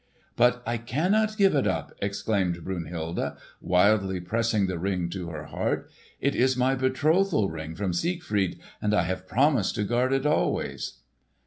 "But I cannot give it up!" exclaimed Brunhilde, wildly pressing the Ring to her heart. "It is my betrothal ring from Siegfried, and I have promised to guard it always!"